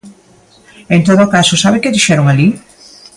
En todo caso, ¿sabe que dixeron alí?